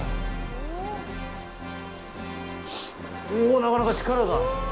おぉ、なかなか力が！